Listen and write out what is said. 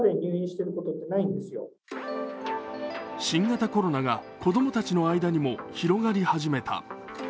新型コロナが子供たちの間にも広がり始めた。